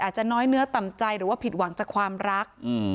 อาจจะน้อยเนื้อต่ำใจหรือว่าผิดหวังจากความรัก